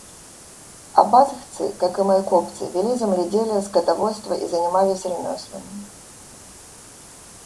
Абазхцы, как и майкопцы, вели земледелие, скотоводство и занимались ремеслами.